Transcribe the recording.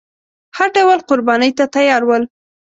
هر ډول قربانۍ ته تیار ول.